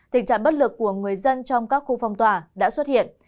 tình trạng bất lực của người dân trong các khu phong tỏa đã xuất hiện